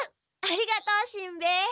ありがとうしんべヱ。